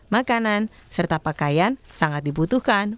makanan serta pakaian sangat dibutuhkan